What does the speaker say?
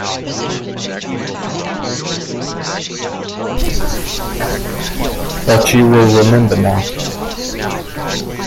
But you will remember now.